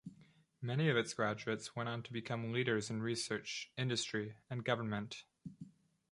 Many of its graduates went on to become leaders in research, industry and government.